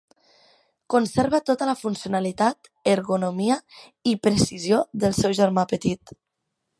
Conserva tota la funcionalitat, ergonomia i precisió del seu germà petit.